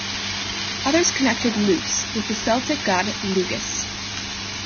Others connected "Lus-" with the Celtic god Lugus.